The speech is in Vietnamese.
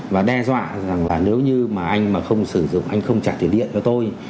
và đe dọa rằng nếu như anh không sử dụng anh không trả tiền điện cho tôi